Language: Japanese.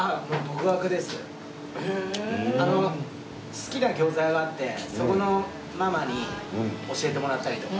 好きな餃子屋があってそこのママに教えてもらったりとか。